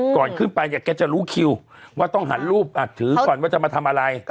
ก่อนขึ้นไปเนี่ยแกจะรู้คิวว่าต้องหันรูปถือก่อนว่าจะมาทำอะไร